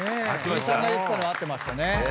飯さんが言ってたのは合ってましたね。